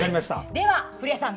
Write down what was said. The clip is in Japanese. では、古谷さん